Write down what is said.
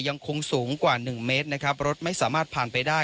ยังคงสูงกว่าหนึ่งเมตรนะครับรถไม่สามารถผ่านไปได้